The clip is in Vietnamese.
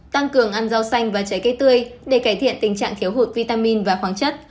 tăng cường ăn rau xanh và trái cây tươi để cải thiện tình trạng thiếu hụt vitamin và khoáng chất